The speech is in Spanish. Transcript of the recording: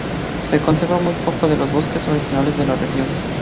Se conserva muy poco de los bosques originales de la región.